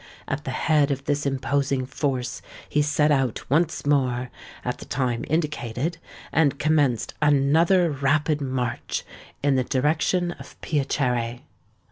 At the head of this imposing force he set out once more, at the time indicated, and commenced another rapid march in the direction of Piacere.